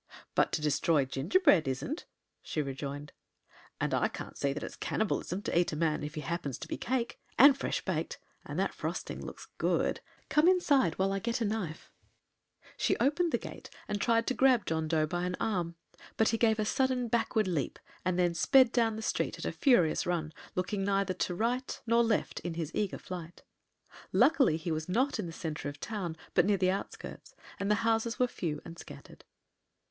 "But to destroy gingerbread isn't," she rejoined. "And I can't see that it's cannibalism to eat a man if he happens to be cake, and fresh baked. And that frosting looks good. Come inside while I get a knife." [Illustration: "COME INSIDE WHILE I GET A KNIFE"] She opened the gate and tried to grab John Dough by an arm. But he gave a sudden backward leap and then sped down the street at a furious run, looking neither to right nor left in his eager flight. Luckily, he was not in the center of the town, but near the outskirts, and the houses were few and scattered.